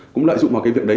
cũng lợi dụng vào việc đấy